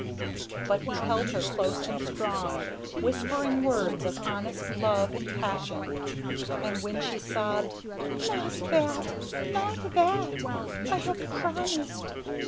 But he held her close and strong, whispering words of honest love and passion, and when she sobbed "Not that not that I have promised!